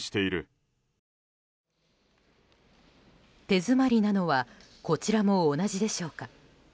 手詰まりなのはこちらも同じでしょうか。